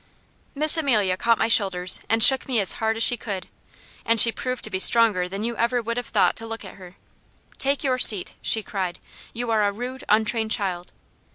Miss Amelia caught my shoulders and shook me as hard as she could; and she proved to be stronger than you ever would have thought to look at her. "Take your seat!" she cried. "You are a rude, untrained child!"